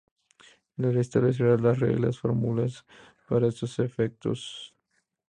La ley establecerá las reglas y fórmulas para estos efectos.